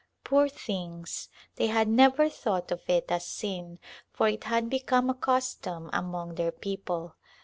Poor things ! they had never thought of it as sin for it had become a custom among their people.